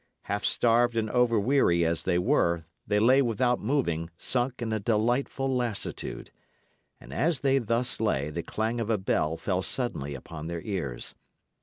Half starved and over weary as they were, they lay without moving, sunk in a delightful lassitude. And as they thus lay, the clang of a bell fell suddenly upon their ears.